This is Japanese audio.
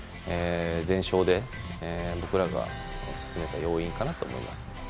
全勝で僕らが進めた要因かなと思います。